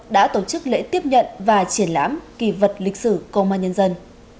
đã tổ chức lễ tiếp nhận và triển lãm kỳ vật lịch sử công an nhân dân